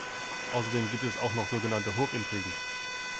Außerdem gibt es auch noch sogenannte Hofintrigen.